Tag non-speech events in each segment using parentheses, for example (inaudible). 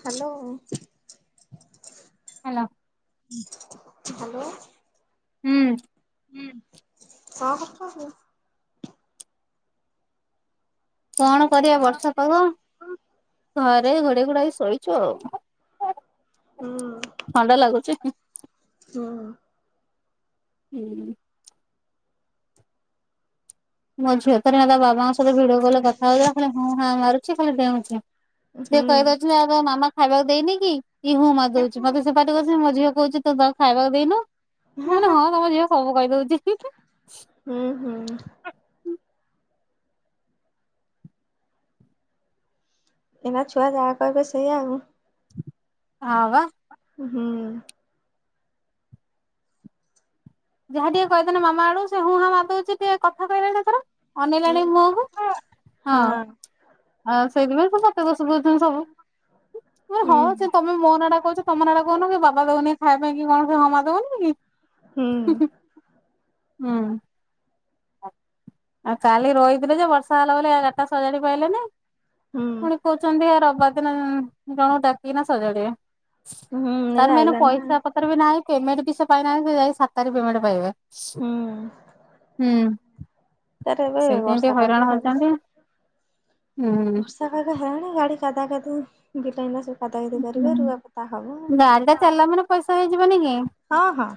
Hello. Hello. Hello. ହୁଁ। ହୁଁ। କଣ କରୁଚନ୍ତି? କଣ କରିବା ବର୍ଷା ପାଗ, ଘରେ ଘୋଡେଇ ଘୁଡାକି ଶୋଇଚୁ ଆଉ। ଥଣ୍ଡା ଲାଗୁଚି। ଶୁଣୁ- - ହୁଁ ମୋ ଝିଅ ଥରେ ନା ତା ବାବାଙ୍କ ସହିତ ଭିଡିଓ କଲ କଥା ହଉଥିଲା ଖାଲି ହଁ ହଁ ମାରୁଚି ଖାଲି ଡେଉଁଚି। ସେ ହୁଁ କହିଦଛନ୍ତି ଆ ମାମା ଖାଇବାକୁ ଦେଇନି କି? ଇ ହୁ ମାରି ଦଉଛି ମତେ ସେ ପାଟି କ ମୋ ଝିଅ କହୁଛି ତୁ ଖାଇବାକୁ ଦେଇନୁ ହଁ ତମ ଝିଅ- - ସବୁ କହି ଦଉଛି ହିଁ ହୁଁ ହୁଁ ହୁଁ ଏଇନା ଛୁଆ ଯାହା କହିବେ ସେୟା ଆଉ। ହଁ ବା। ହୁଁ ଯାହା ଟିକେ କହିଦେ ମାମା ଆଡୁ ସେ ହୁଁ ହଁ ମା ଦଉଛି ଟିକେ କଥା କହିଲାଣି ତାଙ୍କର ହୁଁ ଅନଲାଣି ମୁହକୁ ହଁ ହଁ ଆଉ ସେଇଥିପାଇଁ ମତେ (unintelligible) ସବୁ। ହଁ ହଁ ସେ ତମେ ମୋ ନାଟା କହୁଚ ତମ ନାଟା କହୁନ କି ବାବା ଦଉନି ଖାଇବା କି କଣ ହଁ ମାରି ଦବନି କି? ହୁଁ। ହୁଁ। କାଲି ରହିଥିଲେ ଯେ ବର୍ଷା ହେଲା ବର୍ଷା ବାପା ସଜାଡି ପାଇଲେନି ପୁଣି ହୁଁ କହୁଚନ୍ତି ଆ ରବିବାର ଦିନ ଜଣକୁ ଡାକିକିନା ସଜାଡିବେ। ହୁଁ ଏବେ ତାର ମାନେ ଆଇଲାଣି ନା ପଇସା ପ ପତ୍ର ନାଇଁ ବି ପେମେଣ୍ଟ ବି ସେ ପାଇଁ ନାହାନ୍ତି ସାତ ତାରିଖି ପେମେଣ୍ଟ ପାଇବେ। ହୁଁ। ହୁଁ ତାର ଏବେ ସେଇଥିପାଇଁ ଟିକେ ବର୍ଷା ହଇରାଣ ପାଗ ହେଲା। ହଉଛନ୍ତି ହୁଁ। ବର୍ଷା (inaudible) କତାକତି କରିବେ ରୁଆପତା ହବ ଗାଡିଟା ଚାଲିଲା ମାନେ ପଇସା ହେଇଯିବନି କି? ହଁ ହଁ।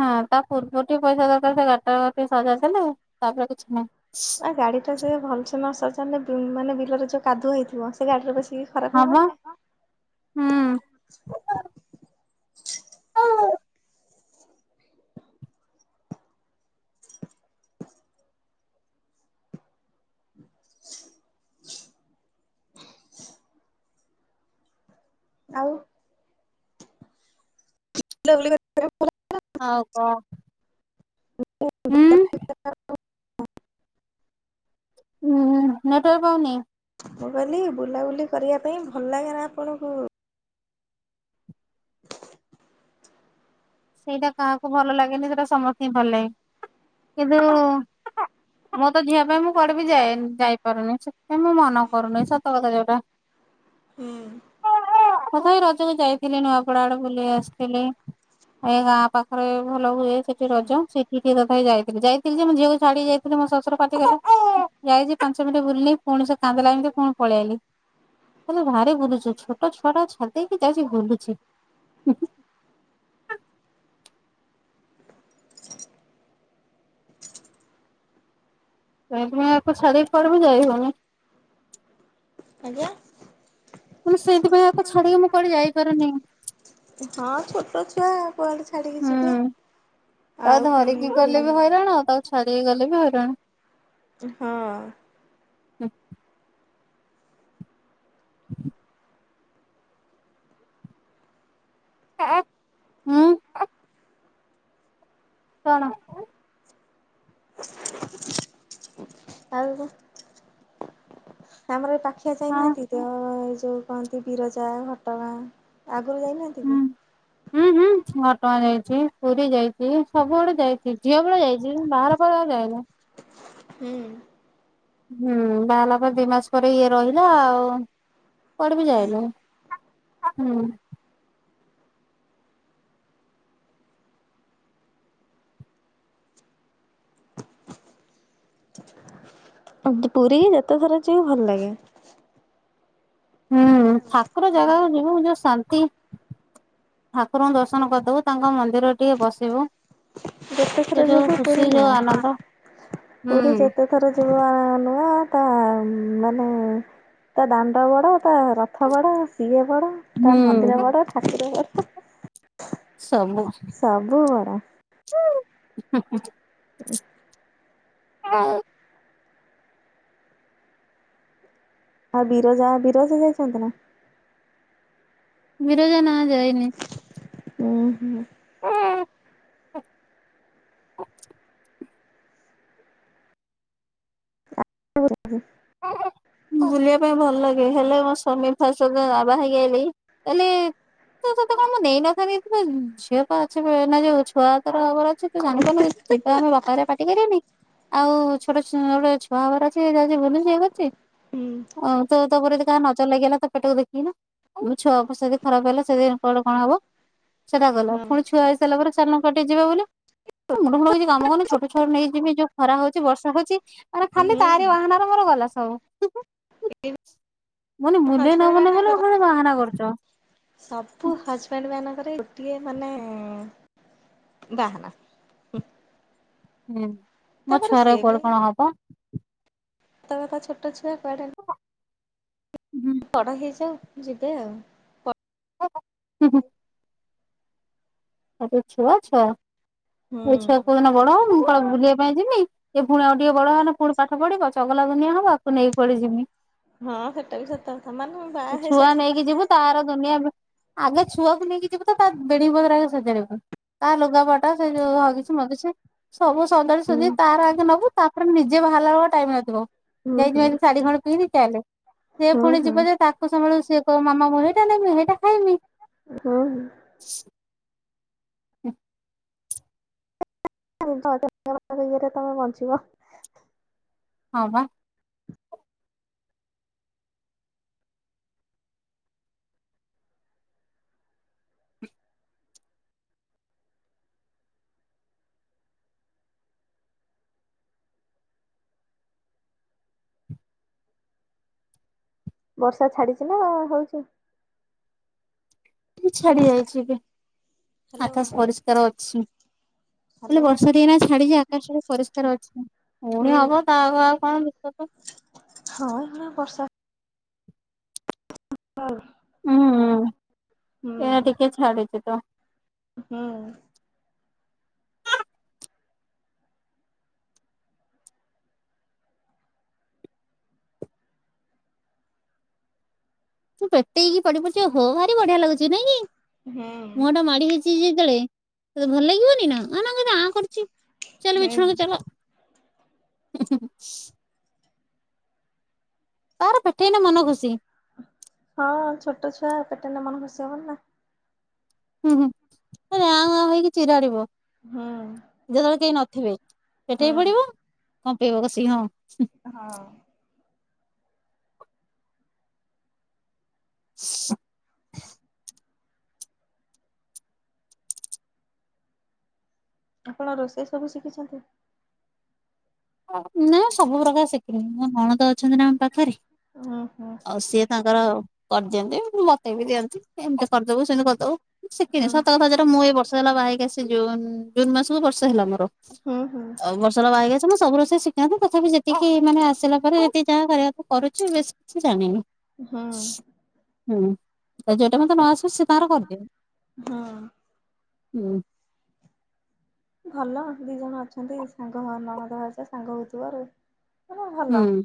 ହଁ ତା ପୂର୍ବ ଟିକେ ପଇସା ଦରକାର ସେ ଗାଡିଟା ଟିକେ ସଜାଡି ଦେଲେ- - ତାପରେ କିଛି ନାହିଁ? ନା ଗାଡ଼ିଟା ସେ ଭଲସେ ନ ସଜାଡିଲେ ମାନେ ବିଲର ଯୋଉ କାଦୁଅ ହେଇଥିବ ସେ ଗାଡ଼ିଟା ବସିକି - - ହଁ ବା ହୁଁ। (inaudible) ଆଉ। (unintelligible) ହଉ କଂ? ହୁଁ। ହୁଁ ହୁଁ ନେଟୱାର୍ ପାଉନି? ମୁଁ କହିଲି ବୁଲାବୁଲି କରି ଆ ପାଇଁ ଭଲ ଲାଗେ ନା ଆପଣଙ୍କୁ। ସେଇଟା କାହାକୁ ଭଲ ଲାଗେନି ସେଟା ସମସ୍ତେ ହିଁ ଭଲ ଲାଗେ କିନ୍ତୁ - - ଆ ମୋ ତ ଝିଅ ପାଇଁ ମୁଁ କୁଆଡେ ବି ଯ ଯାଇପାରୁନି ସେଥିପାଇଁ ମୁଁ ମନ କରୁନି ସତ କଥା ଯୋଉଟା। ହୁଁ। ମୁଁ ତଥାପି ରଜକୁ ଯାଇଥିଲି ନୂଆପଡା ଆଡେ ବୁଲି ଆସିଥିଲି। ଏ ଗାଁ ପାଖରେ ଭଲ ହୁଏ ସେଇଠି ରଜ। ସେଇଠି ଟିକେ ତଥାପି ଯାଇଥିଲି ଯାଇଥିଲି ଯେ ମୁଁ ମୋ ଝିଅକୁ ଛାଡି ଯାଇଥିଲି। ମୋ ଶଶୁର ପାଟି କଲେ ଯାଇଚି ପାଞ୍ଚ ମିନିଟ ବୁଲିଲି ପୁଣି ସେ କାନ୍ଦିଲା ଏମିତି ପୁଣି ପଳେଇଆଇଲି। କହିଲେ ଭାରି ବୁଲୁ ଚୁ ଛୋଟ ଛୁଆଟା ଛାଡିଦେଇକି ଯାଇକି ବୁଲୁଚି। ସେଇଥିପାଇଁ ଛାଡ଼ିକି କୁଆଡେ ବି ଯାଇହଉନି। ଆଜ୍ଞା। ମାନେ ସେଇଥିପାଇଁ ଆକୁ ଛାଡିକି ମୁଁ କୁଆଡେ ଯାଇପାରୁନି। ହଁ ଛୋଟ ଛୁଆ କୁଆଡେ ଛାଡିକି ଯିବେ ହୁଁ ତାକୁ ଆଉ ପୁଣି ଧରିକି ହେ? ଗଲେ ବି ହଇରାଣ ତାକୁ ଛାଡିକି ଗଲେ ବି ହଇରାଣ। ହଁ। (inaudible) ହୁଁ। କଣ? ହଁ ଆଉ ଆମର ଏ ପାଖିଆ ଯାଇନାହାନ୍ତି? ତ ଏ ଯେଉଁ କହନ୍ତି ବିରଜା ଘଟଗାଁ ଆଗରୁ ଯାଇନାହାନ୍ତି କି? ହୁଁ। ହୁଁ ହୁଁ ଘଟଗାଁ ଯାଇଛି ପୁରୀ ଯାଇଛି ସବୁ ଆଡେ ଯାଇଛି ଝିଅ ବେଳେ ଯାଇଛି ବାହାର ହେଲା ପରେ ଯାଇନି। ହୁଁ। ହୁଁ ବାହାହେଲା ପରେ ଦି ମାସ ପରେ ଇଏ ରହିଲା ଆଉ କୁଆଡ ବି ଯାଇନୁ। (inaudible) ପୁରୀ ଯେତେଥର ଯିବ ଭଲ ଲାଗେ। ହୁଁ ଠାକୁର ଜାଗାକୁ ଯିବୁ ଯୋଉ ଶାନ୍ତି। ଠାକୁରଙ୍କୁ ଦର୍ଶନ କରିଦବୁ ତାଙ୍କ ମନ୍ଦିରରେ ଟିକେ ବସିବୁ। (inaudible) ର ସେ ଯୋଉ ଖୁସି ଯୋଉ ଆନନ୍ଦ ହୁଁ ଯୋଉ ନୁଆ ତା ମାନେ? ତା ଦାଣ୍ଡ ବଡ ତା ରଥ ବଡ ସିଏ ବଡ ତା ମନ୍ଦିର ହୁଁ ବଡ ଠାକୁର ବଡ। ସବୁ? ସବୁ ବଡ। ହଁ ହଁ। ଏଇ। ଆଉ ବିରଜା ବିରଜା ଯାଇଛନ୍ତି ନା? ବିରଜା ନା ଯାଇନି। ଓୁଁ ହୁଁ। ହଁ। ହ? ଓୋ ହୋ? ବୁଲିବା ପାଇଁ ଭଲ ଲାଗେ ହେଲେ ମୋ ସ୍ୱାମୀ ଫାଷ୍ଟ ଆବା ହେଇକି ଆଲି ହେଲି। ତ ସେତେ କଣ ମୁଁ ନେଇନଥାନ୍ତିିଥିବ ଝିଅ ତ ଅଛି ନା ଯୋଉ ଛୁଆ ତର ଖବ ଅଛି ତୁ ଜାଣିପାରୁନୁ। ଯିବା ଆମେ ବପରେ ପାଟି କରିବାନି ଆଉ ଛୋଟ ଗୋଟେ ଛୁଆ ହେବର ଅଛି ଯ ଭୁଲୁ? ଠିକ ଅଛି ହୁଁ ତ ତାପରେ ଯଦି କାହା ନଜର ଲାଗଗା ତ ପେଟକୁ ଦେଖିକି ନା? ଆମ ଛୁଆ ଉପଦି ଖରାପ ହେଲା ସେଦି କୁଆଡେ କଣ ହବ ସେଟା ଗଲା ପୁଣି ଛୁଆ? ସେଲା ପରେ ସାନ କଟେଇ ଯିବା ବୋଲି? ମୁଣ୍ଡୁ ଫୁଳଛି କାମ କଲେ ଛୋଟ ଛଟୁ ନେଇ ଯିବ ଯୋଉ ଖରା ହଉଛି ବର୍ଷା ହଉଛି। ମରେ ଖାଲି ହୁଁ ତାରି ହୁଁ ବାହାନ ର ମୋର ଗଲା ସବୁ? ମାନେ ବୁଲେଇ ହଜବେଣ୍ଡ ନମନେ ବଲେ ମାନଙ୍କର ଆଉ କଣେ ବାହାନା କରୁଛ। ସବୁ ହଜବେଣ୍ଡ ମାନଙ୍କରେ ଗୋଟିଏ ମାନେ ବାହାନା। ହୁଁ ମୋ ତାପରେ ଛୁଆର ସିଏ କୋଆଡେ କଣ ହବ। ତମେ କଣ ଛୋଟ ଛୁଆ କୁଆଡେ। ହୁଁ। ବଡ ହେଇଯାଉ ଯିବେ ଆଉ। ହଁଁ ହୁଁ ହଁ। ସବୁ ଛୁଆ ଛୁଆ ହୁଁ। ଛ କୋଉ ଛୁଆ ଦିନ ବଡ ମୁଁ କ ବୁଲିବା ପାଇଁ ଯିବି। ଏ ପୁଣି ଆଉ ଟିକେ ବଡ ହେନେ ପୁଣି ପାଠ ପଢିବ ଚଗଲା ଦୁନିଆ ହବ ଆକୁ ନେଇ କୁଆଡେ ଯିମି। ହଁ ସେଟା ବି ସତକଥା ମାନେ ବାହା ଛୁଆ ହେଇସାଇଲା ନେଇକି ମାନେ ଯିବୁ ତାର ଦୁନିଆ ଆଗେ ଛୁଆକୁ ନେଇକି ଯିବ ତ ତା ବେଡିନ୍ଗ୍ ପତ୍ର ସଜାଡିବୁ ତା ଲୁଗାପଟା ସେ ଯୋଉ ହଗିସି ମଗିସି। ସବୁ ସଜାଡି ସୁଜି ହୁଁ ତାର ଆଗେ ନବୁ ତାପ୍ରେ ନିଜେ ବାହାର୍ଲା ବେଳକୁ ଟାଇମ୍ ନାଥିବ ହୁଁ ହୁଁ (unintelligible) ସାଢି ଖଣ୍ଡେ ପିରି ଚାଲେ ସେ ହୁଁ ପୁଣି ହୁଁ ଯିବ ଯେ ତାକୁ ସମ୍ଭାଳିବୁ ସିଏ କହିବ ମାମା ମୁଁ ହେଇଟା ନେବି ହେଇଟା ଖାଇବି। ହୁଁ। (inaudible) (inaudible) (unintelligible) ରେ ତମେ ବଞ୍ଚିବ। ହଁ ପା। ବର୍ଷା ଛାଡିଛି ନା ହଉଛି। ଛାଡି ଯାଇଛି କି ହ୍ୟାଲୋ ଆକାଶ୍ ପରିଷ୍କାର ଅଛି। ହେଲେ ହ୍ୟାଲୋ। ବର୍ଷା ଟିକେ ଏଇନା ଛାଡିଚି ଆକାଶଟା ପରିଷ୍କାର ଅଛି। ପୁଣି ହୁଁ। ହବ ତା ଆଗ ଆଉ କଣ ବିପଦ। ହଁ ଏଇ ଖୁଣା ବର୍ଷା (unintelligible) ହୁଁ ହୁଁ ଏଇନା ଟିକେ ଛାଡିଚି ତ। ହୁଁ। ତୁ ପେଟେଇକି ପଡି ବୁଯେ ହ ଭାରି ବଢିଆ ଲାଗୁଛି ନାଇଁ କି ହୁଁ ମୁହଁ ଟା ମାଡି ହେଇଚ୍ ଚି ଯେତେଳେ ତତେ ଭଲ ଲାଗିବନି ନା ନା କେମ୍ତି ଆଁ କରୁଛି ଚାଲ ହୁଁ। ବିଛଣା କୁ ଚାଲ। (inaudible) ତାର ପେଠେଇନେ ମନ ଖୁସି। ହଁ ଛୋଟ ଛୁଆ ପେଟେଇନୃ ମନ ଖୁସି ହବନେଇ ନା। ହୁଁ ହୁଁ ଖାଲି ଆଁ ଆଁ ହେଇକି ଚିର୍ହାଡିବ। ହଁ। ଯେତବେଳେ କେହି ନଥିବେ ପେଟେଇ ପଡିବ କମ୍ପେଇବ କଷିକି ହଁ। ହଁ। (inaudible) ଆପଣ ରୋଷେଇ ସବୁ ଶିଖିଛନ୍ତି। ନା ସବୁ ପ୍ରକାର ଶିଖିନି ମୋ ନଣନ୍ଦ ତ ଅଛନ୍ତି ନା ଆମ୍ ପାଖରେ ହୁଁ ହୁଁ ଆଉ ସିଏ ତାଙ୍କର କର୍ଦିଅନ୍ତି ମତେବି ଦିଅନ୍ତି ଏମ୍ତି କର୍ଦବୁ ସେମ୍ତି କର୍ଦବୁ ମୁଁ ଶିଖିନି ହୁଁ ସତକଥା ଯ ମୁଁ ଏଇ ବର୍ଷେ ହେଲା ବାହାହେଇକି ସେ ଜୁନ୍ ଜୁନ୍ ମାସକୁ ବର୍ଷେ ହେଲା ମୋର ହୁଁ ହୁଁ ବର୍ଷେ ହେଲା ବାହାହେଇ କ୍ ତ ମୁଁ ସବୁ ରୋଷେଇ ଶିଖାନ୍ତି ତଥାପି ଯେତିକି ମାନେ ଆସିଲା କରେ ଯେତିକି ଯାହା କରିବାକଥା କରୁଛି ବେଶି ସେ ଜାଣିନି ହୁଁ ହୁଁ ଯୋଉଟା ମତେ ନ ଆସିବ ସେ ତାର କର୍ଦିଏ ହୁଁ। ହୁଁ। ଭଲ ଦୁଇ ଜଣ ଅଛନ୍ତି ସାଙ୍ଗ ନଣନ୍ଦ ଭାଉଜ ସାଙ୍ଗ ହଉଥିବ ରହୁଥିବ ମାନେ ଭଲ। ହୁଁ।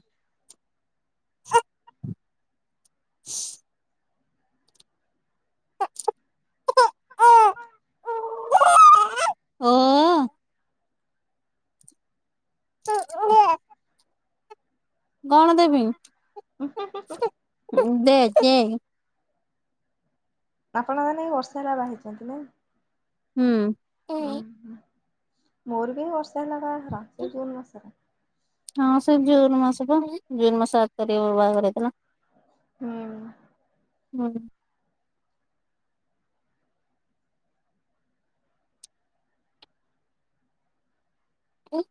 (inaudible) (unintelligible) ଓ ଓ। (unintelligible) କଣ ଦେବି ଦେ ଦେ। ଆପଣ ମାନେ ବର୍ଷା ରେ ବାହାହେଇଛନ୍ତି ନାଇଁ। ହୁଁ। ଉଁ ହୁଁ ମୋର ବି ବର୍ଷେ ହେଲା ବାହାଘର ସେଇ ଜୁନ୍ ମାସରେ। ହଁ ସେ ଜୁନ୍ ମାସ ବା। ଜୁନ୍ ମାସ ଆଠ ତାରିଖ ବେଳକୁ ବାହାଘର ହେଇଥିଲା। ହୁଁ। (inaudible) ଉଁ।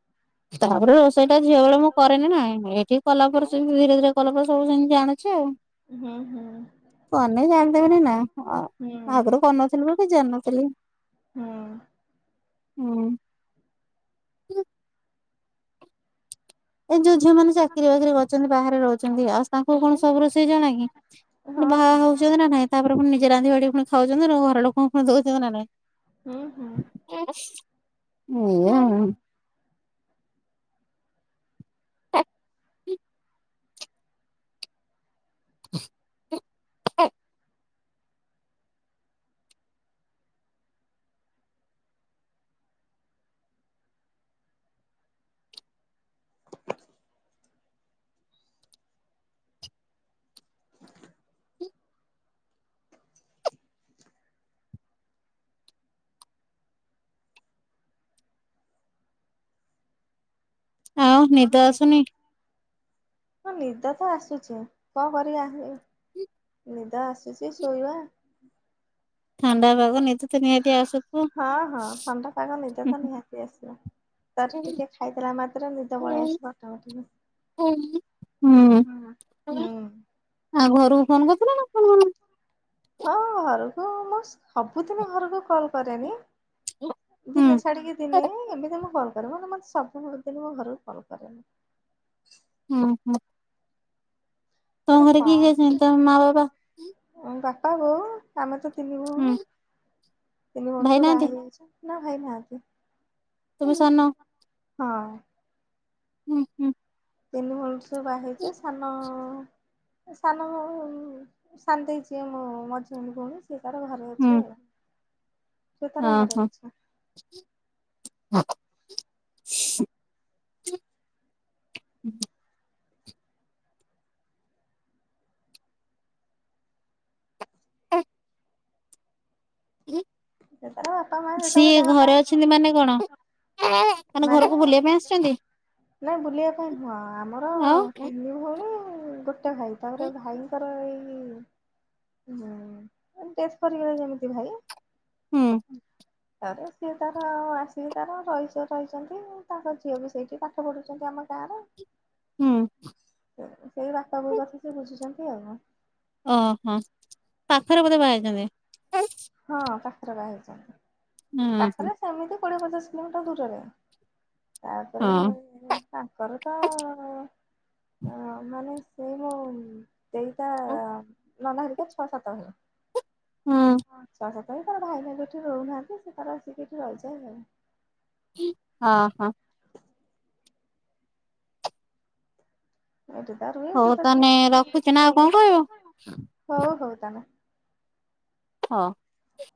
ତା ପରେ ରୋଷେଇଟା ଝିଅ ବେଳେ ମୁଁ କରେ ନା ନାଇଁ। ମୁଁ ଏଠି କଲା ପରେ ସେ ଧୀରେ ଧୀରେ କଲା ପରେ ସବୁ ସେମିତି ଜାଣୁଛି ଆଉ। ହୁଁ ହୁଁ। କରିନି। ଜାଣି ଦେବନି ନା ହୁଁ ଆଗରୁ କରୁ ନ ଥିଲୁ ବୋଲି ଜାଣି ନ ଥିଲି। ହଁ। ହୁଁ। ହ ଏଇ ଯୋଉ ଝିଅ ମାନେ ଚାକିରି ବାକିରି କରୁଚନ୍ତି, ବାହାରେ ରହୁଛନ୍ତି। ଆଉ ତାଙ୍କୁ କଣ ସବୁ ରୋଷେଇ ଜଣା କି? ପୁଣି ହଁ ବାହା ହଁ। ହଉଚନ୍ତି ନା ନାଇଁ। ତା ପରେ ପୁଣି ନିଜେ ରାନ୍ଧି ବାଡି ପୁଣି ଖାଉଛନ୍ତି। ସେଠୁ ଘର ଲୋକଙ୍କୁ ପୁଣି ଦଉଥିବେ ନା ନାଇଁ। ହୁଁ ହୁଁ (inaudible) ହ (inaudible) (inaudible) ଆଉ ହଁ ନିଦ ଆସୁନି ନିଦ ତ ଆସୁଚି। କଣ କରିବା? ନିଦ ଆସୁଚି ଶୋଇବା। (unintelligible) ନିଦ ତ ନିହାତି ଆସୁଥିବ। ହଁ ହଁ ଥଣ୍ଡା ପାଗ। ନିଦ ତ ନିହାତି ଆସିବ। ତାଠୁ ଟିକେ ଖାଇ ଦେଲା ମାତ୍ରେ ନିଦ ପଳେଇ ଆସିବ ଅଟୋମେଟିିକ୍। ହୁଁ। ହୁଁ। ଆଉ ଘରକୁ ଫୋନ୍ କରିଥିଲା ନା କଣ? ହଁ ଘରକୁ, ମୁଁ ସବୁଦିନ ଘରକୁ କଲ୍ କରେନି। ହୁଁ ଦିନେ ଛାଡିି କି ଦିନେ। ଏବେ ଜମା କରୁନି। କରେ ମନେ ସବୁଦିନ ମୋ ଘରକୁ କଲ୍ କରେନି୍ ଉଁ ହୁଁ। ତମ ତାର ଘରେ କିଏ କଣ କିଏ ଅଛନ୍ତି? ତମ ମା, ବାପା। ବାପା ବୋଉ ଆମେ ତ ତିନି ହୁଁ ଭଉଣୀ। ତିନି ଭଉଣୀ ଭାଇ ସବୁ ବାହା ନାହାନ୍ତି ହେଇଯାଇଛୁ। ନା ଭାଇ ନାହାଁନ୍ତି। ତମେ ସାନ। ହଁ। ଉଁ ହୁଁ। ତିନି ଭଉଣୀ ସବୁ ବାହା ହେଇଛୁ। ସାନ ସାନ ଭଉ, ସାନ୍ ଦେଇ ଯିଏ ମୋ ମଝିିଆଣି ଭଉଣୀ। ସେ ତାର ଘରେ ଅଛି ଆଉ। ସେ ତାର ଘରେ ଅଁ ଅଛି ହଁ। ଅ। ସେ ତାର ବାପା ମା ଯେତେବେଳେ ସିଏ ଦେହ ପା ଘରେ ଅଛନ୍ତି ମାନେ କଣ? ମାନେ ଘରକୁ ବୁଲିବା ପାଇଁ ଆସିଛନ୍ତି ନାଇଁ ବୁଲିବା ପାଇଁ ନୁହଁ। ଆମର ଆଉ ତିନି ଭଉଣୀ ଗୋଟେ ଭାଇ। ତା ପରେ ଭାଇଙ୍କର ଏଇ ହୁଁ। ଡେଥ୍ କରି ଯାଇଚନ୍ତି ଭାଇ। ହୁଁ ତା ରେ ସିଏ ତାର ଆସିକି ତାର ରହିଚି। ରହିଚନ୍ତି। ତାଙ୍କ ଝିଅ ବି ସେଇଠି ପାଠ ପଢୁଚନ୍ତି ଆମ ଗାଁରେ। ହୁଁ। ସେଇ ବାପ ବୋଉ କଥା ସେ ବୁଝୁଛନ୍ତି ଆଉ। ଅ ହ। ପାଖରେ ବୋଧେ ବାହା ହେଇଛନ୍ତି। ହଁ ପାଖରେ ବାହା ହେଇଛନ୍ତି। ହୁଁ ପାଖରେ ସେମିତି କୋଡ଼ିଏ ପଚିଶ କିଲୋମିଟର ଦୂରରେ। ତା ହଁ। ତାଙ୍କର ତ, ମାନେ ସେଇ ମୋ ଦେଇତା ହଁ ନନା ହରିକା ଛଅ ସାତ ଭାଇ। ଆଛା। ଛଅ ସାତ। ସେଇ ତାର ଭାଇନା ଏଠି ରହୁନାହାନ୍ତି, ସେ ତାର ଆସିକି ଏଠି ରହିଯାଏ ଆଉ। ହଁ ହଁ। ଏଇଠି ତାର ହଉ ତାହେନେ ରଖୁଛି, ନା ଆଉ କଣ କହିବ? ହଉ ହଉ ତାନେ। ହଁ।